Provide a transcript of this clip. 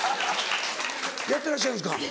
やってらっしゃるんですか？